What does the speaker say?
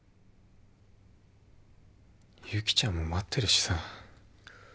由岐ちゃんも待ってるしさ。